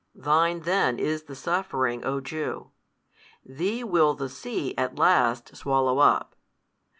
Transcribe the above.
Thine then is the suffering, O Jew: thee will the sea at last swallow up.